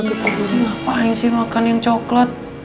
gini sih ngapain sih makan yang coklat